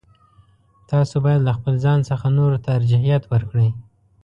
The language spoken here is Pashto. تاسو باید له خپل ځان څخه نورو ته ارجحیت ورکړئ.